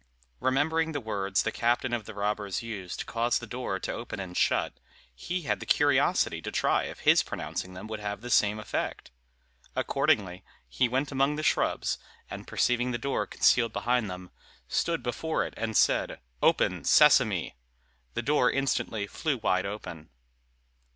Remembering the words the captain of the robbers used to cause the door to open and shut, he had the curiosity to try if his pronouncing them would have the same effect. Accordingly, he went among the shrubs, and perceiving the door concealed behind them, stood before it and said, "Open, Sesame!" The door instantly flew wide open.